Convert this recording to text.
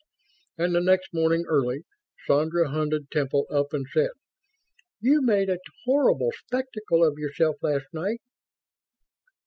And the next morning, early, Sandra hunted Temple up and said: "You made a horrible spectacle of yourself last night."